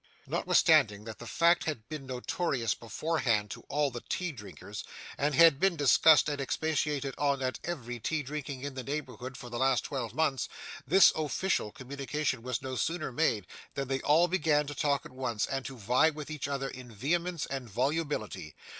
Notwithstanding that the fact had been notorious beforehand to all the tea drinkers, and had been discussed and expatiated on at every tea drinking in the neighbourhood for the last twelve months, this official communication was no sooner made than they all began to talk at once and to vie with each other in vehemence and volubility.